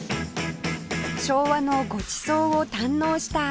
昭和のごちそうを堪能した純ちゃん